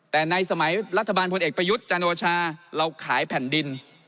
แต่ในสมัยรัฐบาลพลเอกประยุทธ์จันโอชาเราขายแผ่นดิน